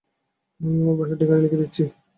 আমি আমার বাসার ঠিকানা লিখে দিচ্ছি।